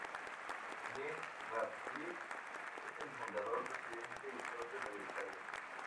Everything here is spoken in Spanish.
Jim Ratcliffe es el fundador, presidente y socio mayoritario.